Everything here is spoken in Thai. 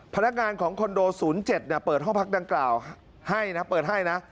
พนักงานของคอนโด๐๗เปิดห้องพักดังกล่าวให้นะเปิดให้นะ